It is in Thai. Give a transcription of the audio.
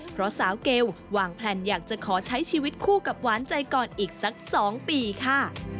เพราะสาวเกลวางแพลนอยากจะขอใช้ชีวิตคู่กับหวานใจก่อนอีกสัก๒ปีค่ะ